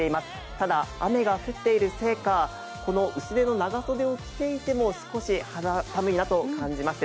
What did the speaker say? ただ、雨が降っているせいか、薄手の長袖を着ていても、少し肌寒いなと感じます。